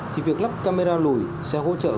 thì việc lắp camera lùi sẽ hỗ trợ